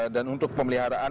dan untuk pemeliharaan